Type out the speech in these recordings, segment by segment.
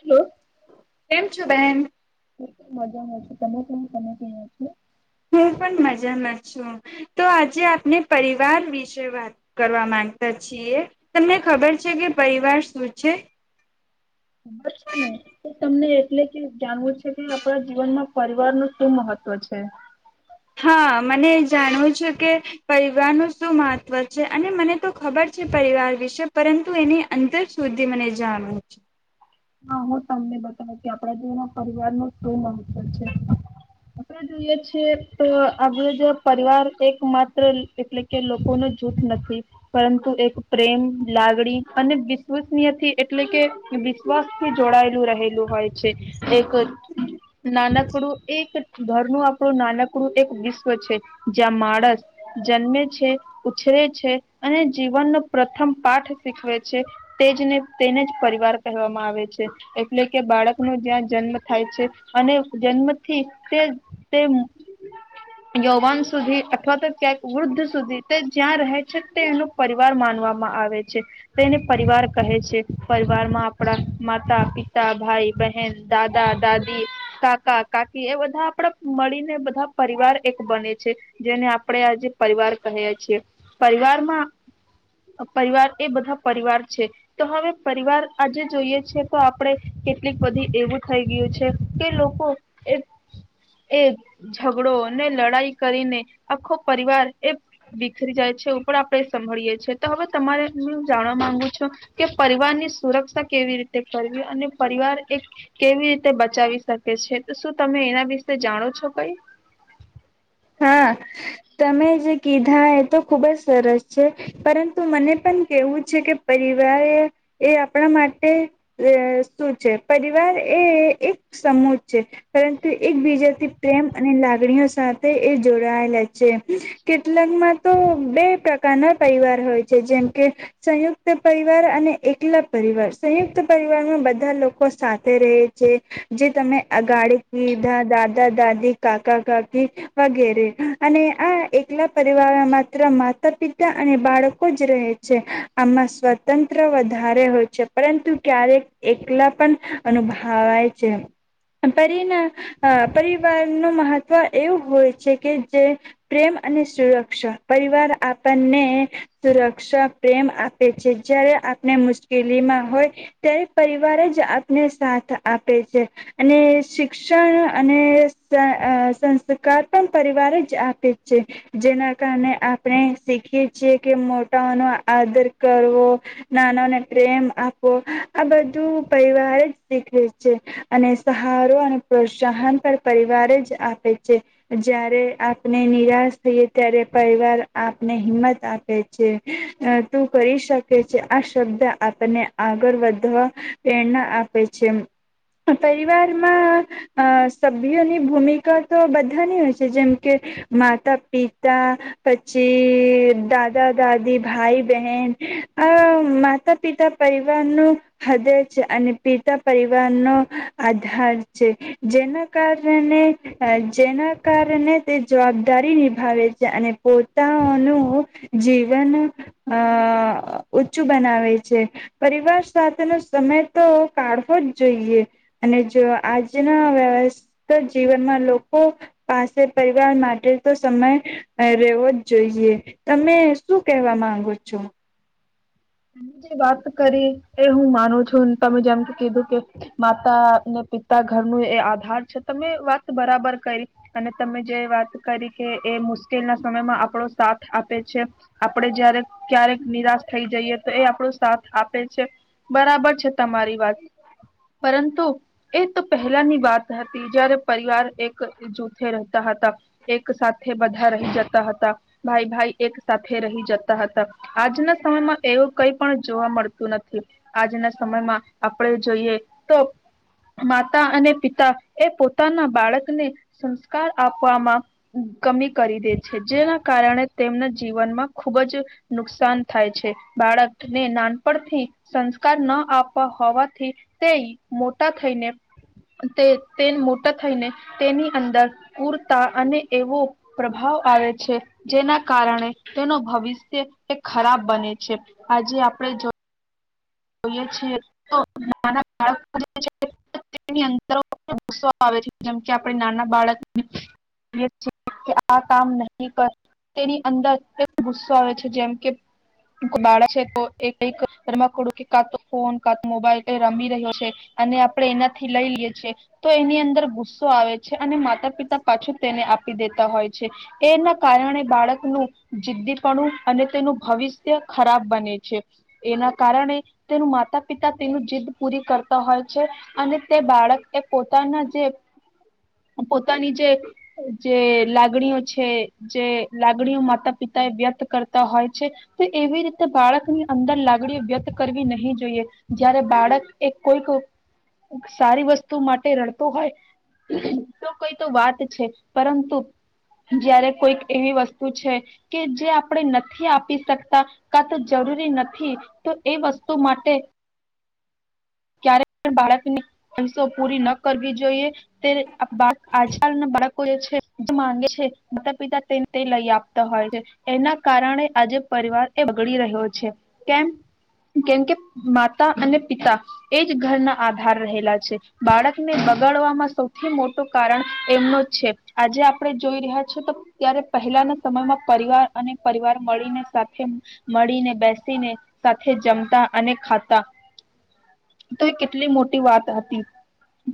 Hello કેમ છો બેન? મજામાં છું, તમે પણ તમે ક્યા છો હું પણ મજામાં છું, તો આજે આપને પરિવાર વિશે વાત કરવા માંગતા છીએ, તમને ખબર છે કે પરિવાર શું છે? ખબર છે ને, તો તમને એટલે કે જાણવું છે કે આપણા જીવનમાં પરિવાર નું શું મહત્વ છે? હા મને એ જાણવું છે, કે પરિવારનું શું મહત્વ છે અને મને તો ખબર છે પરિવાર વિશે પરંતુ એની અંદર સુધી મને જાણવુ છે. હા હું તમને બતાવુ કે આપણા જીવનમાં પરિવાર નું શું મહત્વ છે? આપણે જોઈએ છીએ તો આપ જો પરિવાર એક માત્ર એટલે કે લોકોનું જૂથ નથી, પરંતુ એક પ્રેમ, લાગણી અને વિશ્વસનીયથી એટલે કે વિશ્વાસ જોડાયેલું રહેલું હોય છે, એક નાનકડું એક ઘરનું આપણું નાનકડું એક વિશ્વ છે, જ્યાં માણસ જન્મે છે ઉછરે છે, અને જીવનનો પ્રથમ પાઠ શીખવે છે, તેજને તેને જ પરિવાર કહેવામાં આવે છે. એટલે કે બાળકનો જ્યાં જન્મ થાય છે, અને જન્મથી તે તે યૌવાન સુધી અથવા તો ક્યાંક વૃદ્ધ સુધી તે જ્યાં રહે છે, તે એનો પરિવાર માનવામાં આવે છે, તેને પરિવાર કહે છે. પરિવારમાં આપણા માતા, પિતા, ભાઈ, બહેન, દાદા, દાદી, કાકા, કાકી એ બધા આપડા મળીને બધા પરિવાર એક બને છે. જેને આપણે આજે પરિવાર કહીએ છીએ, પરિવારમાં પરિવાર એ બધા પરિવાર છે, તો હવે પરિવાર આજે જોઈએ તો આપણે કેટલીક બધી એવું થઈ ગયું છે, કે લોકો એ એ ઝઘડો ને લડાઈ કરીને આખો પરિવાર એ બીખરી જાય છે, ઉપર આપણે સંભળીએ છીએ તો હવે તમારે હું જાણવા માંગુ છું, કે પરિવાર ની સુરક્ષા કેવી રી કરવી અને પરિવાર એક કેવી રીતે બચાવી શકે છે, તો શું તમે એના વિશે જાણો છો કઈ? હા તમે જે કીધા એ તો ખુબ જ સરસ છે, પરંતુ મને પણ કેવું છે કે પરિવાર એ આપણા માટે શું છે, પરિવાર એ એક સમૂહ છે, પરંતુ એકબીજાથી પ્રેમ અને લાગણીઓ સાથે એ જોડાયેલા છે. કેટલાકમાં તો બે પ્રકારના પરિવાર હોય છે, જેમ કે સંયુક્ત પરિવાર અને એકલા પરિવાર. સંયુક્ત પરિવારમાં બધા લોકો સાથે રહે છે, જે તમે અગાડી કીધા દાદા, દાદી, કાકા, કાકી, વગેરે અને આ એકલા પરિવારમાં માત્ર માતા, પિતા અને બાળકો જ રહે છે, આમાં સ્વતંત્ર વધારે હોય છે, પરંતુ ક્યારેક એકલા પણ અનુભવાય છે. પરીન અમ પરિવારનું મહત્વ એવું હોય. છે કે જે પ્રેમ અને સુરક્ષા. પરિવાર આપણને સુરક્ષા પ્રેમ આપે છે, જયારે આપણે મુશ્કેલીમાં હોય ત્યારે પરિવાર જ આપને સાથ આપે છે, અને શિક્ષણ અને સન સંસ્કાર પરિવારે જ આપે છે, જેના કારણે આપણે શીખીએ છીએ, કે મોટાઓનો આદર કરવો, નાનાને પ્રેમ આપવો, આ બધું પરિવારે જ શીખવે છે, અને સહારો અને પ્રોત્સાહન પણ પરિવારે જ આપે છે. જ્યારે આપને નિરાશ થઈએ ત્યારે પરિવાર આપને હિંમત આપે છે, તું કરી શકે છે આ શબ્દ આપને આગળ વધવા પ્રેરણા આપે છે, પરિવારમાં સભ્યોની ભૂમિકા તો બધાની હોય છે જેમ કે માતા, પિતા પછી દાદા, દાદી, ભાઈ, બહેન. અ માતા પિતા પરિવાર નું હૃદય છે, અને પિતા પરિવાર નો આધાર છે, જેના કારણે જેના કારણે તે જવાબદારી નિભાવે છે, અને પોતાનું જીવન અ ઊંચું બનાવે છે. પરિવાર સાથેનો સમય તો કાઢવો જ જોઈએ, અને જો આજના વ્યસ્ત જીવનમાં લોકો કો પાસે પરિવાર માટે તો સમય રહેેવો જ જોઈએ, તમે શું કેવા માંગો છો? તમે જે વાત કરી એ હું માનું છું, તમે જેમ કે કીધું કે માતા અને પિતા ઘર નું એ આધાર છે, તમે વાત બરાબર કરી અને તમે જે વાત કરી કે એ મુશ્કેલ ના સમયમાં આપડો સાથ આપે છે, આપડે જય્યારે ક્યારેક નિરાશ થઈ જઈએ. એ આપણો સાથ આપે છે, બરાબર છે તમારી વાત પરંતુ એ તો પહેલાની વાત હતી, જયારે પરિવાર એક જૂથે રહેતા હતા, એક સાથે બધા રહી જતા હતા, ભાઈ ભાઈ એક સાથે રહી જતા હતા, આજના સમયમાં એવું કઈ પણ જોવા મળતું નથી. આજના સમયમાં આપણે જોઈએ તો માતા અને પિતા એ પોતાના બાળકને સંસ્કાર આપવામાં કમી કરી દે છે, જેના કારણે તેમના જીવનમાં ખુબ જ નુકસાન થાય છે. બાળકને નાનપણથી સંસ્કાર ન આપવા હોવાથી તે મોટા થઈને તે તે મોટા થઈને તેની અંદર પૂરતા અને એવો પ્રભાવ આવે છે, જેના કારણે તેનો ભવિષ્ય એ ખરાબ બને છે. છે. આજે આપડે જો જોઈએ છીએ તો જેમ કે આપણે નાના બાળક આ કામ નહી કરવાનું તેની અંદર ગુસ્સો આવે છે, જેમ કે બાળક છે કે આ કઈક રમકડું કે કા તો ફોન કાં તો મોબાઈલ રમી રહ્યો છે, અને આપણે એનાથી લઈ લઈ છીએ, તો એની અંદર ગુસ્સો આવે છે, અને માતા પિતા પાછું તેને આપી દેતા હોય છે, તેના કારણે બાળકનું જિદ્દીપણું અને તેનું ભવિષ્ય ખરાબ બને છે. એના કારણે તેનું માતા પિતા તેનું જીદ પૂરી કરતા હોય છે, અને તે બાળક એ પોતાના જે જે પોતાની જે લાગણીઓ છે જે લાગણીઓ માતા પિતા એ વ્યત કરતા હોય છે, તો એવી રીતે બાળકની અંદર લાગણીઓ વ્યત કરવી નહી જોઈએ, જયારે બાળક એ કોઈક સારી વસ્તુ માટે રડતો હોય, તો કઈ તો વાત છે, પરંતુ જ્યારે કોઈક એવી વસ્તુ છે કે જે આપણે નથી આપી શકતા કા તો જરૂરી નથી તો એ વસ્તુ માટે ક્યારે બાળકની વીસો પૂરી ન કરવી જોઈએ, તે આજલ બાળકો જે છે માંગે છે, માતા પિતા તેને તે લઈ આપતા હોય છે, એના કારણે આજે પરિવાર એ બગડી રહ્યો છે, કેમ કેમ કે માતા અને પિતા એ જ ઘરના આધાર રહેલા છે, બાળકને બગાડમાં સૌથી મોટું કારણ એમનો જ છે, આજે આપણે જોઈ રહ્યા છો તો ત્યારે પહેલાના સમયમાં પરિવાર અને પરિવાર મળીને સાથે મળીને બેસીને સાથે જમતા અને ખાતા તો એ કેટલી મોટી વાત હતી,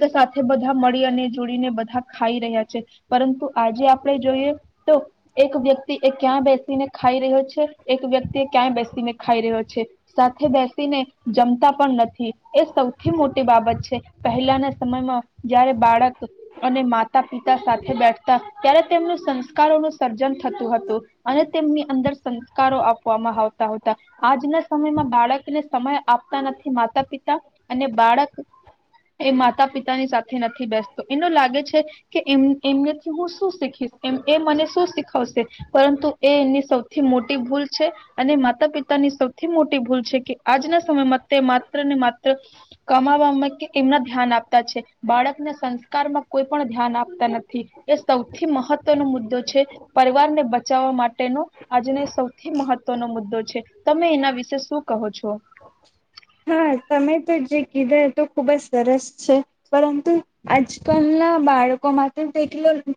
તો સાથે બધા મળી અને જોડીને બધા ખાઈ રહ્યા છે, પરંતુ આજે આપણે જોઈએ તો એક વ્યક્તિ એ ક્યાં બે ને ખાઈ રહ્યો છે, એક વ્યક્તિ ક્યાંય બેસીને ખાઈ રહ્યો છે, સાથે બેસીને જમતા પણ નથી. એ સૌથી મોટી બાબત છે પહેલાના સમયમાં જયારે બાળક અને માતા પિતા સાથે બેઠતા ત્યારે તેમનું સંસ્કારોનું સર્જન થતું હતું. અને તેમની અંદર સંસ્કારો આપવામાં આવતા હતા. આજના સમયમાં બાળકને સમય આપતા નથી. માતા પિતા અને બાળક એ માતા પિતાની સાથે નથી બેસતો. એનું લાગે છે કે એમનેથી હું શું શીખીશ? એ મને શું શીખાવશે? પરંતુ એ એની સૌથી મોટી ભૂલ છે અને માતા પિતાની સૌથી મોટી ભૂલ છે કે આજના સમયમાં તે માત્ર ને માત્ર કમાવામાં કે એમના ધ્યાન આપતા છે. બાળકને સંસ્કારમાં કોઈ પણ ધ્યાન આપતા નથી. એ સૌથી મહત્વનો મુદ્દો છે. પરિવારને બચાવવા માટેનો આજનો સૌથી મહત્વનો મુદ્દો છે તમે એના વિશે શું કહો છો? હા તમે તો જે કીધુ તું ખુબ જ સરસ છે‌. પરંતુ આજ કલ ના બાળકોમાં તોટે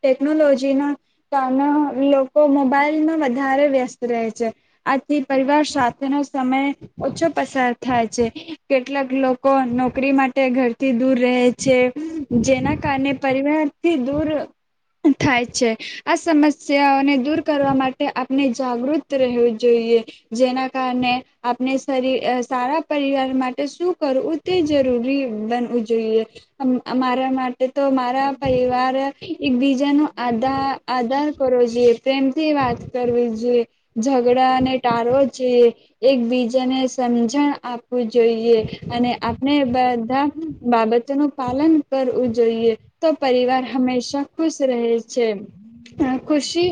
ટેકનોલોજી ના કારણે લોકો મોબાઈલમાં વધારે વ્યસ્ત રહે છે. આથી પરિવાર સાથેનો સમય ઓછો પ થાય છે કેટલાક લોકો નોકરી માટે ઘરથી દૂર રહે છે જેના કારણે પરિવારથી દૂર થાય છે આ સમસ્યાઓને દૂર કરવા માટે આપણે જાગૃત રહેવું જોઈએ જેના કારણે આપણે શરીર સારા પરિવાર માટે શું કરવું તે જરૂરી બનવું જોઈએ અમારા માટે તો મારા પરિવાર એકબીજા ન આધાર આધાર કરો જોઈએ પ્રેમથી વાત કરવી જોઈએ ઝઘડાને ટાળવો જોઈએ એકબીજાને સમજણ આપવું જોઈએ અને આપણે બધા બાબતોનુંું પાલન કરવું જોઈએ તો પરિવાર હંમેશા ખુશ રહે છે ખુશી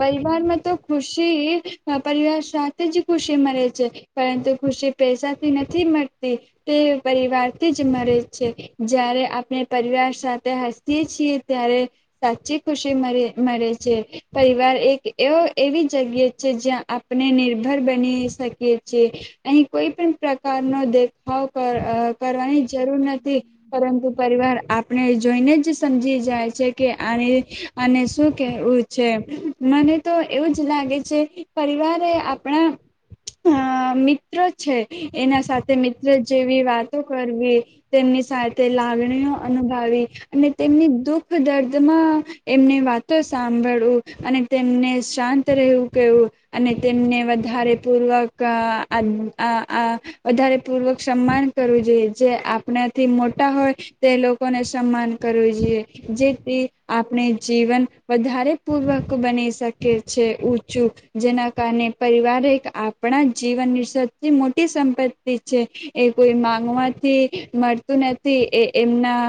પરિવારમાં તો ખુશી પરિવાર સાથે જ ખુશી મે છે. પરંતુ ખુશી પૈસાથી નથી મળતી તે પરિવારથી જ મળે છે જ્યારે આપણે પરિવાર સાથે હસીતીએ છીએ ત્યારે સાચી ખુશીે મળે છે પરિવાર એક એવો એવી જગ્યાએ છે જ્યાં આપણે નિર્ભર બની શકીએ અહી કોઈ પણ પ્રકાર ન દ હ કરવાની જરૂર નથી પરંતુ પરિવાર આપણે જોઈને જ સમજી જાય છે કે આને આને શું કેવું છે મને તો એવું જ લાગે છે પરિવારે આપણા અ મિત્ર છે એના સાથે મિત્ર જેવી વાતો કરવી તેમની સાથે લાગણીઓ અનુભવી અને તેમની દુઃખ દર્દમાં એમની વાતો સાંભળવીું અને તેમને શાંત રહેવું કહેવું અને તેમને વધારે પૂર્વક વધારે પૂર્વક સન્માન કરવું જોઈએ જે આપણાથી મોટા હોય તે લોકોને સન્માન કરવું જોઈએ જેથી આપણે જીવન વધારે પૂર્વક બની શકીએ છે ઊચું જેના કારણે પરિવારે એક આપ જીવનની સૌથી મોટી સંપત્તિ છે એ કોઈ માંગવાથી મળતું નથી એ એમના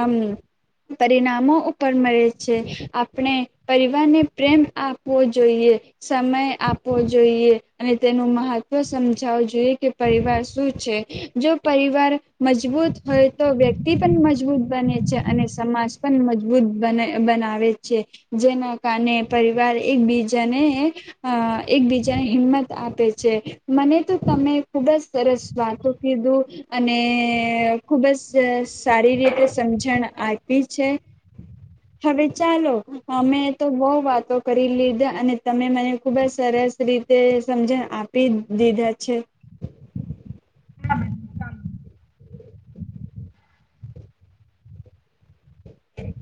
પરિણામો ઉપર મળે છે આપણે પરિવારને પ્રેમ આપવો જોઈએ સમય આપવો જોઈએ અને તેનું મહત્વ સમજો જોઈએ કે પરિવાર શું છે જો પરિવાર મજબૂત હોય તો વ્યક્તિ પણ મજબૂત બને છે અને સમાજ પણ મજબૂત બને બનાવે છે જેના કારણે પરિવાર એકબીજાને અ એકબીજાને હિંમત આપે છે. મને તો તમે ખુબ જ સરસ વાતો કીધું અને ખુબ જ સારી રીતે સમજણ આપી છે હવે ચાલો અમે તો બહ વાતો કરી લીધા અને તમે મને ખુબ જ સરસ રીતે સમજણ આપી. દીધા છે હ હ